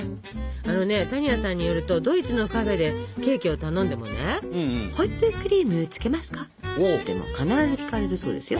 あのね多仁亜さんによるとドイツのカフェでケーキを頼んでもね「ホイップクリームつけますか？」って必ず聞かれるそうですよ。